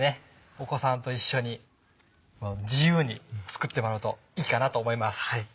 お子さんと一緒に自由に作ってもらうといいかなと思います。